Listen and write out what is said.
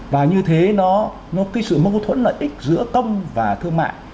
và như thế nó cái sự mâu thuẫn lợi ích giữa công và thương mại